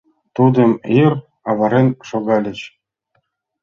Тудым йыр авырен шогальыч.